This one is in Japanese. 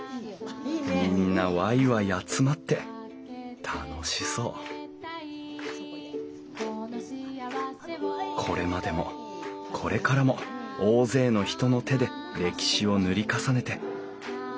みんなワイワイ集まって楽しそうこれまでもこれからも大勢の人の手で歴史を塗り重ねて。